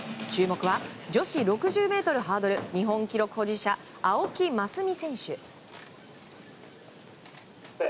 注目は女子６０ｍハードル日本記録保持者、青木益未選手。